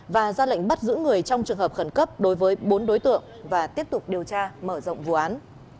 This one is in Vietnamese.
và ra lệnh bắt giữ người trong trường hợp khẩn cấp đối với bốn đối tượng và tiếp tục điều tra mở rộng vụ án